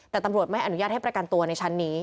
แต่ตำรวจไม่อนุญาตให้ประกันตัวในชั้นนี้